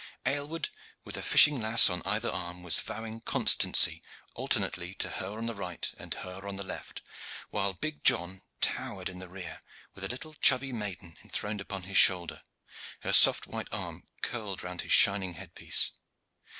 Aylward, with a fishing lass on either arm, was vowing constancy alternately to her on the right and her on the left, while big John towered in the rear with a little chubby maiden enthroned upon his great shoulder, her soft white arm curled round his shining headpiece.